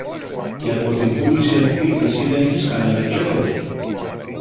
Και από την πούληση αυτή εσύ δεν είχες κανένα κέρδος;